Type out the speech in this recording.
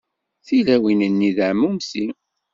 Tilawin-nni d εmumti.